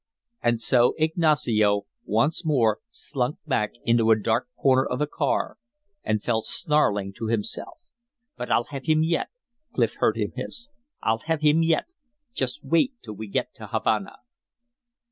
And so Ignacio once more slunk back into a dark corner of the car and fell snarling to himself. "But I'll have him yet!" Clif heard him hiss. "I'll have him yet. Just wait till we get to Havana."